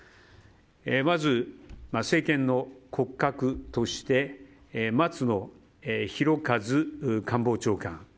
まず、政権の骨格として松野博一官房長官。